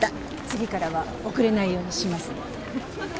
次からは遅れないようにします。